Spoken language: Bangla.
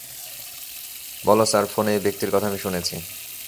বলো স্যার ফোনে এই ব্যক্তির কথা আমি শুনেছি।